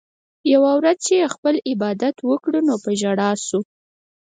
يوه ورځ چې ئې خپل عبادت وکړو نو پۀ ژړا شو